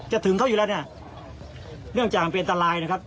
ถึงเขาอยู่แล้วเนี่ยเนื่องจากมันเป็นอันตรายนะครับ